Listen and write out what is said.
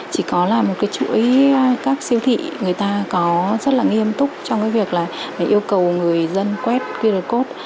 chỉ có là một cái chuỗi các siêu thị người ta có rất là nghiêm túc trong cái việc là yêu cầu người dân quét qr code